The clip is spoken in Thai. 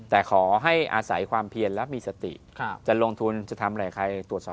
แต่ขอให้อาศัยความเพียรและมีสติจะลงทุนจะทำอะไรใครตรวจสอบ